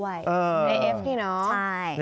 ในเอฟส์นี่เนอะใช่ดีจัง